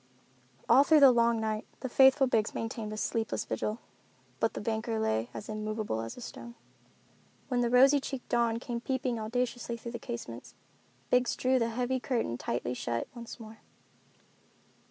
All through the long night the faithful Biggs maintained a sleepless vigil, but the banker lay as immovable as a stone. When the rosy cheeked dawn came peeping audaciously through the casements, Biggs drew the heavy curtains tightly shut once more.